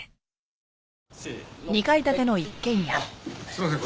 すいません。